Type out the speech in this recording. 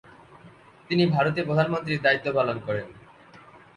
তিনি ভারতে প্রধানমন্ত্রীর দায়িত্ব পালন করেন।